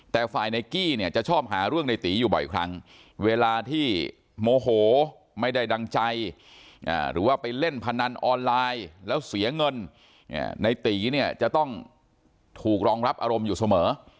แต่ฝ่ายในกี้เนี่ยจะชอบหาเรื่องในตีอยู่บ่อยครั้งเวลาที่โมโหไม่ได้ดังใจหรือว่าไปเล่นพนันออนไลน์แล้วเสียเงินในตีเนี่ยจะต้องถูกรองรับอารมณ์อยู่เสมอ